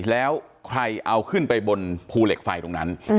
แล้วใครเอาขึ้นไปบนภูเหล็กไฟตรงนั้น